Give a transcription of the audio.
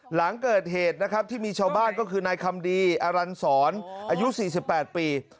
หลังเกิดเหตุนะครับที่มีชาวบ้านก็คือนายคำดีอรันศรอายุ๔๘ปี